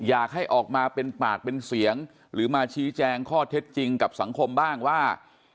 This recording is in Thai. อยากให้ออกมาเป็นปากเป็นเสียงหรือมาชี้แจงข้อเท็จจริงกับสังคมบ้างว่า